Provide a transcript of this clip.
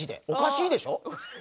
おかしいでしょう？